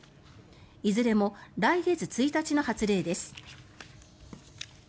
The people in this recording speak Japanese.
いずれも来月１日の発令です。